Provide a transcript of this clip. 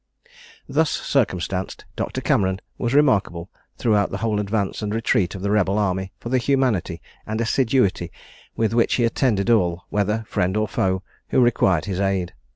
Thus circumstanced, Doctor Cameron was remarkable throughout the whole advance and retreat of the rebel army for the humanity and assiduity with which he attended all, whether friend or foe, who required his aid.